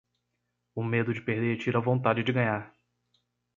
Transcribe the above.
O medo de perder tira a vontade de ganhar.